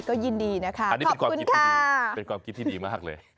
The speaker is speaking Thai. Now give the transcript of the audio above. ก็ยินดีนะคะขอบคุณค่ะโอเคครับนี่เป็นความกิจที่ดีมากเลย